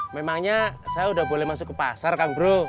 memangnya saya sudah boleh masuk ke pasar kang bro